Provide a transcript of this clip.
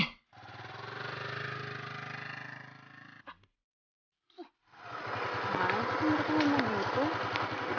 kenapa tuh kenapa begitu